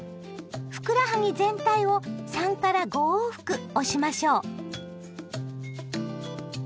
ふくらはぎ全体を３５往復押しましょう。